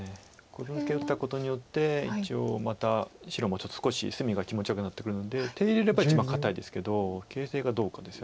コスミツケ打ったことによって一応また白もちょっと少し隅が気持ちよくなってくるので手入れれば一番堅いですけど形勢がどうかですよね。